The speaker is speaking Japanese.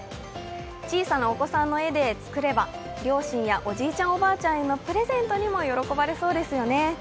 小さなお子さんの絵で作れば両親やおじいちゃんおばあちゃんへのプレゼントにも喜ばれそうですよね。